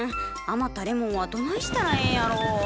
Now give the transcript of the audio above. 余ったレモンはどないしたらええんやろ。